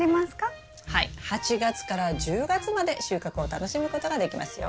８月から１０月まで収穫を楽しむことができますよ。